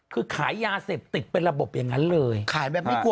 คือขายยาเสพติดเป็นระบบอย่างนั้นเลยขายแบบไม่กลัว